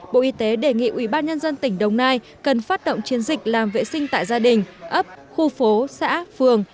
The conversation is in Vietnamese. bộ y tế đề nghị ubnd tỉnh đồng nai cần phát động chiến dịch làm vệ sinh tại gia đình ấp khu phố xã phường